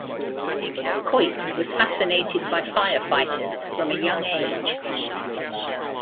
Coit was fascinated by firefighters from a young age.